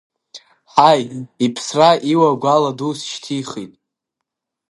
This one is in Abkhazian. Ҳаб иԥсра Иуа гәала дус ишьҭихит.